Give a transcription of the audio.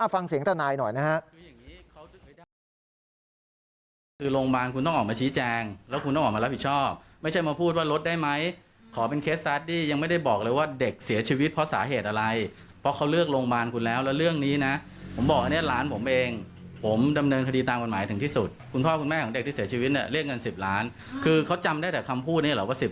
ฟังเสียงต้านายหน่อยนะครับ